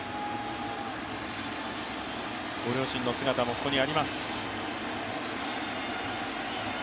ご両親の姿もここにあります。